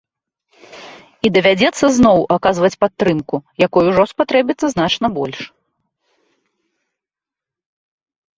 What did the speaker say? І давядзецца зноў аказваць падтрымку, якой ужо спатрэбіцца значна больш.